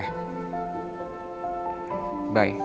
oke nanti gue kabarin lagi ya